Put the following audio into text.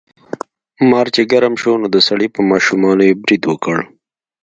مار چې ګرم شو نو د سړي په ماشومانو یې برید وکړ.